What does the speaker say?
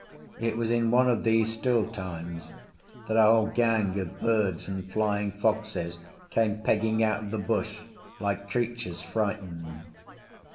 It was in one of these still times that a whole gang of birds and flying foxes came pegging out of the bush like creatures frightened.